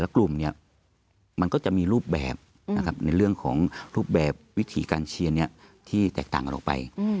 กลุ่มมันก็จะมีรูปแบบในเรื่องของรูปแบบวิถีการเชียร์ที่แตกต่างกันออกไป